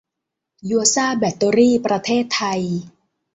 ยัวซ่าแบตเตอรี่ ประเทศไทย